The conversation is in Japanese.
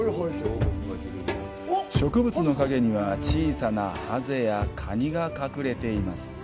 植物の陰には、小さなハゼやカニが隠れています。